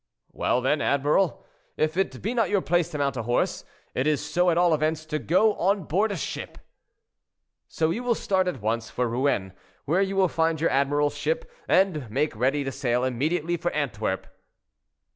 "Well, then, admiral, if it be not your place to mount a horse, it is so at all events to go on board ship. So you will start at once for Rouen, where you will find your admiral's ship, and make ready to sail immediately for Antwerp."